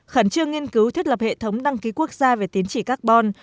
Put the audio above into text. khẩn trương nghiên cứu thiết lập hệ thống đăng ký quốc gia về tín chỉ carbon